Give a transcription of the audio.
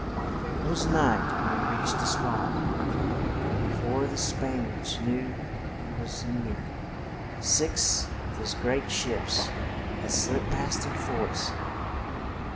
It was night when he reached the spot, and be fore the Span iards knew he was near, six of his great ships had slipped past their forts.